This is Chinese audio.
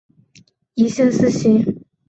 一线四星。